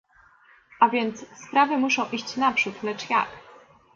A więc sprawy muszą iść naprzód, lecz jak?